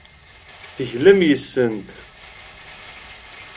Teglam yes-sent.